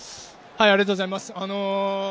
ありがとうございます。